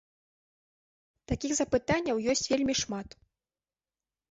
Такіх запытанняў ёсць вельмі шмат.